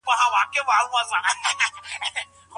آیا د تازه مېوو شربت تر جوړ شويو شربتونو ښه دی؟